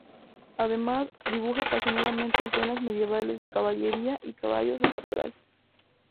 Además, dibuja apasionadamente escenas medievales de caballería y caballos al natural.